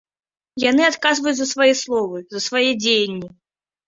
Яны адказваюць за свае словы, за свае дзеянні.